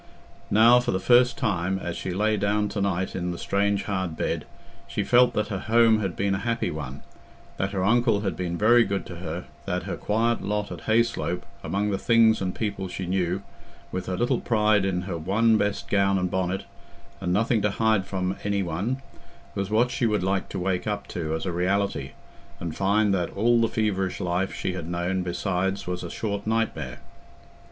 Now for the first time, as she lay down to night in the strange hard bed, she felt that her home had been a happy one, that her uncle had been very good to her, that her quiet lot at Hayslope among the things and people she knew, with her little pride in her one best gown and bonnet, and nothing to hide from any one, was what she would like to wake up to as a reality, and find that all the feverish life she had known besides was a short nightmare.